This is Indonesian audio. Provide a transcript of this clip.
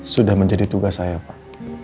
sudah menjadi tugas saya pak